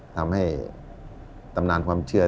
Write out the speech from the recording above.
ทำให้ตำนานความเชื่อ